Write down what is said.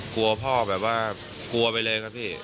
กลัวพ่อแบบว่ากลัวไปเลยครับพี่